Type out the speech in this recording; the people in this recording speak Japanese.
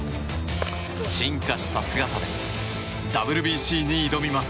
進化した姿でＷＢＣに挑みます。